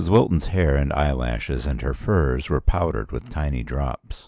Wilton's hair and eyelashes and her furs were powdered with tiny drops.